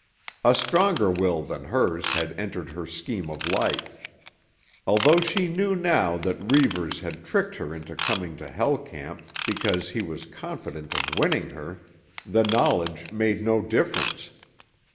A stronger will than hers had entered her scheme of life. Although she knew now that Reivers had tricked her into coming to Hell Camp because he was confident of winning her, the knowledge made no difference.